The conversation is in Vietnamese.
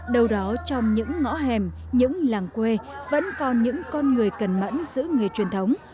đâu đó trong những ngõ hẻm những làng quê vẫn còn những con người cần mẫn giữ nghề truyền thống